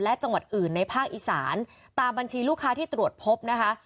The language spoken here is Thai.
และจังหวัดอื่นในภาคอีสานตามบัญชีลูกค้าที่ตรวจพบนะคะ